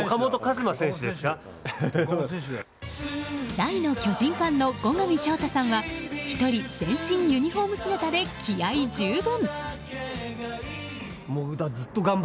大の巨人ファンの後上翔太さんは一人全身ユニホーム姿で気合十分！